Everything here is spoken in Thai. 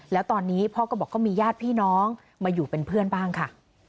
แล้วตอนนี้พ่อก็บอกก็มีญาติพี่น้องมาอยู่เป็นเพื่อนบ้างค่ะ